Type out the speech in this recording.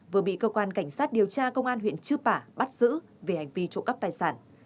vừa bị cơ quan cảnh sát điều tra công an huyện chư pả bắt giữ về hành vi trộm cắp tài sản